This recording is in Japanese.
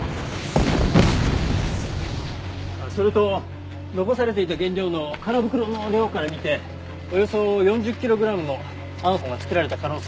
それと残されていた原料の空袋の量から見ておよそ４０キログラムのＡＮＦＯが作られた可能性が高いです。